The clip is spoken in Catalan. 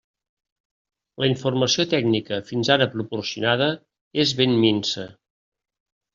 La informació tècnica fins ara proporcionada és ben minsa.